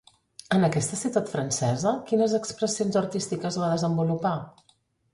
En aquesta ciutat francesa, quines expressions artístiques va desenvolupar?